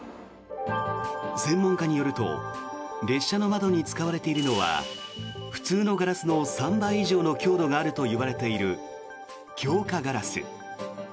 専門家によると列車の窓に使われているのは普通のガラスの３倍以上の強度があるといわれている強化ガラス。